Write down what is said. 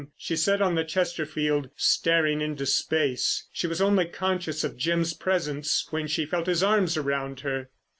She sat on the Chesterfield staring into space. She was only conscious of Jim's presence when she felt his arms around her.